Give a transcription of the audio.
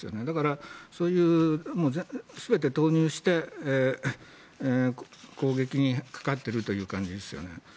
だから、全て投入して攻撃にかかっているという感じですよね。